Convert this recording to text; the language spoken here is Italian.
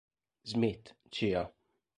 Smith, ca.